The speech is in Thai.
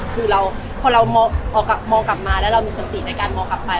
คือพอเรามองกลับมาแล้วเรามีสติในการมองกลับไป